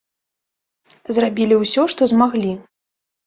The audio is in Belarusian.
Зрабілі ўсё, што змаглі.